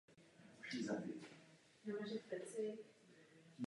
Ivan Passer se narodil v Praze a po válce studoval na gymnáziu v Poděbradech.